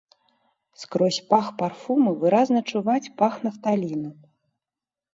Скрозь пах парфумы выразна чуваць пах нафталіну.